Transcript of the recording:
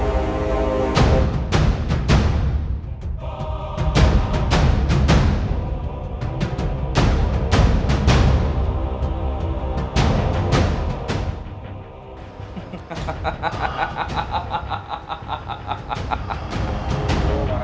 mas rasha tunggu